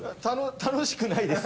楽しくないです。